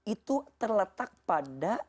itu terletak pada